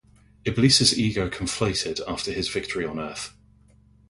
Iblis' ego conflated after his victory on earth.